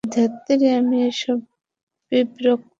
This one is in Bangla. ধ্যাত্তেরি, আমি এসবে বিরক্ত।